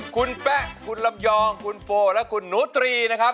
คุณแป๊ะคุณลำยองคุณโฟและคุณหนูตรีนะครับ